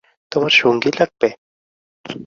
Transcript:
তোমার সঙ্গী লাগবে?